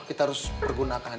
kita harus bergunakan